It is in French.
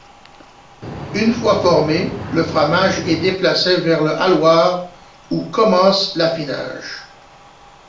Une fois formé, le fromage est déplacé vers le hâloir où commence l'affinage.